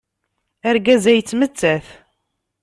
Argaz-a yettemttat.